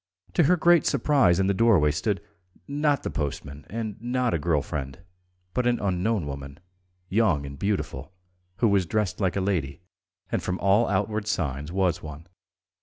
To her great surprise in the doorway stood, not the postman and not a girl friend, but an unknown woman, young and beautiful, who was dressed like a lady, and from all outward signs was one.